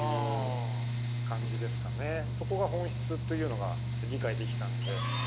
そこが本質というのが理解できたので。